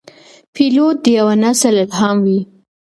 پیلوټ د یوه نسل الهام وي.